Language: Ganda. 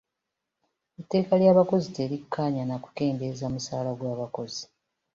Etteeka ly'abakozi terikkaanya na kukendeeza musaala gw'abakozi.